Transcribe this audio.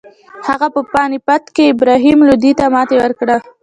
هغه په پاني پت کې ابراهیم لودي ته ماتې ورکړه.